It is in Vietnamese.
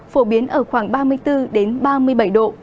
phổ biến ở khoảng ba mươi bốn ba mươi bảy độ